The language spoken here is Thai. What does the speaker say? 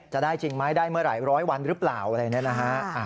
จะได้จริงไหมได้เมื่อไหร่๑๐๐วันหรือเปล่าอะไรเนี่ยนะฮะ